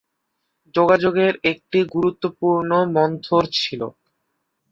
যোগাযোগের একটি গুরুত্বপূর্ণ মন্থর ছিল।